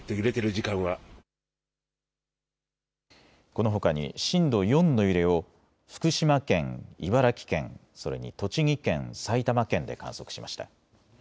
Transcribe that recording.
このほかに震度４の揺れを福島県、茨城県、それに栃木県、埼玉県で観測しました。